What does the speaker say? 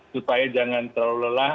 supaya jangan terlalu lelah